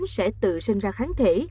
sẽ tự sinh ra kháng thể